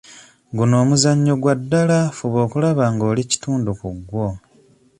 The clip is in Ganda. Guno omuzannyo gwa ddala, fuba okulaba ng'oli kitundu ku gwo.